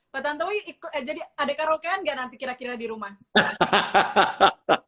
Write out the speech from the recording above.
pak tantowi jadi ada karaokean gak nanti kira kira di rumah